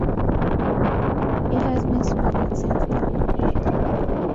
He has been smoking since third grade.